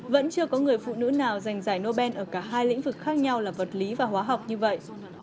vẫn chưa có người phụ nữ nào giành giải nobel ở cả hai lĩnh vực khác nhau là vật lý và hóa học như vậy